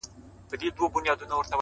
o له شپږو مياشتو څه درد ،درد يمه زه،